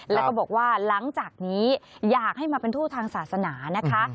แล้วก็บอกว่าหลังจากนี้อยากให้มาเป็นทู่ทางศาสนานะคะ